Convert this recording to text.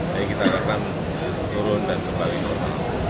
jadi kita harapkan turun dan kembali turun